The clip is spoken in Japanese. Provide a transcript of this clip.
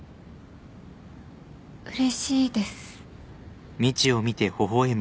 うれしいです。